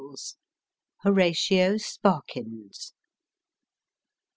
HORATIO SPARKINS.